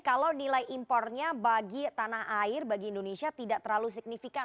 kalau nilai impornya bagi tanah air bagi indonesia tidak terlalu signifikan